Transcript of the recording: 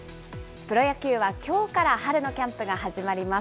プロ野球はきょうから春のキャンプが始まります。